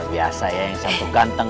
biasa ya yang satu kanteng